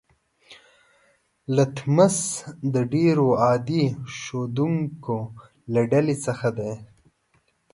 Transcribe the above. لتمس د ډیرو عادي ښودونکو له ډلې څخه دی.